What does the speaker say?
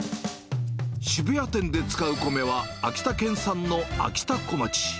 渋谷店で使う米は、秋田県産のあきたこまち。